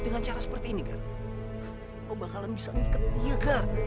dengan cara seperti ini gar lo bakalan bisa ngikutin dia gar